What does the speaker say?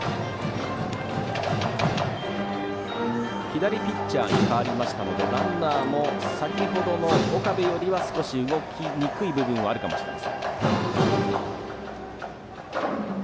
左ピッチャーに代わりましたのでランナーも先ほどの岡部よりは少し動きにくい部分はあるかもしれません。